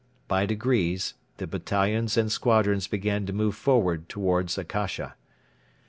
By degrees the battalions and squadrons began to move forward towards Akasha.